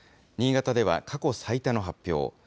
新潟では過去最多の発表。